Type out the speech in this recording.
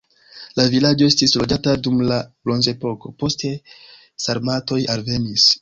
La vilaĝo estis loĝata dum la bronzepoko, poste sarmatoj alvenis.